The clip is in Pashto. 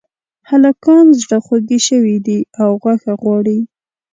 هلکان زړخوږي شوي دي او غوښه غواړي